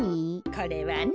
これはね。